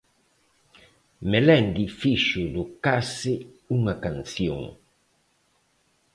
Melendi fixo do case unha canción.